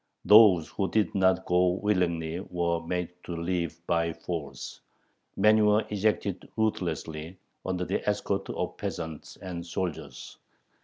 Those who did not go willingly were made to leave by force. Many were ejected ruthlessly, under the escort of peasants and soldiers.